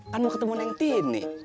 kan mau ketemu neng tini